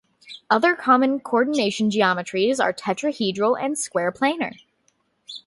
Other common coordination geometries are tetrahedral and square planar.